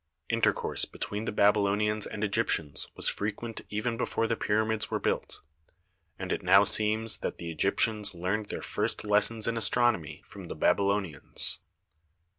Intercourse between the Baby lonians and Egyptians was frequent even before the pyramids were built, and it now seems that the Egyptians learned their first lessons in astron omy from the Babylonians.